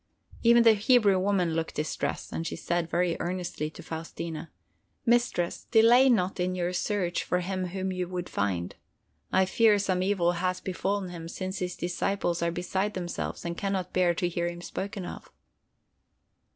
Even the Hebrew woman looked distressed, and she said very earnestly to Faustina: "Mistress, delay not in your search for him whom you would find! I fear some evil has befallen him, since his disciples are beside themselves and can not bear to hear him spoken of."